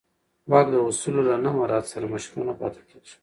واک د اصولو له نه مراعت سره مشروع نه پاتې کېږي.